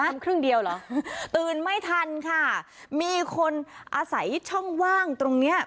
ครึ่งเดียวเหรอตื่นไม่ทันค่ะมีคนอาศัยช่องว่างตรงเนี้ย